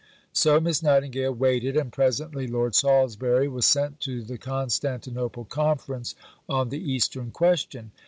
So Miss Nightingale waited, and presently Lord Salisbury was sent to the Constantinople Conference on the Eastern Question.